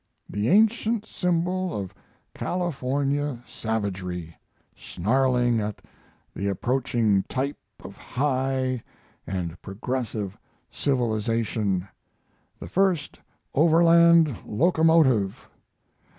the ancient symbol of California savagery, snarling at the approaching type of high and progressive civilization, the first Overland locomotive!